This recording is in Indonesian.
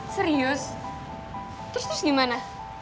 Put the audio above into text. serius terus terus gimana